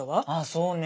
そうね。